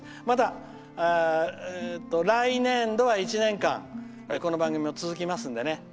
まだ来年度は１年間この番組、続きますのでね。